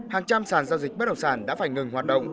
hàng trăm sản giao dịch bất động sản đã phải ngừng hoạt động